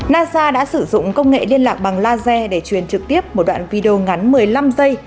nasa đã sử dụng công nghệ liên lạc bằng laser để truyền trực tiếp một đoạn video ngắn một mươi năm giây